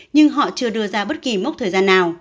nhưng họ chưa đưa ra bất kỳ mốc thời gian nào